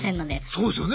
そうですよね。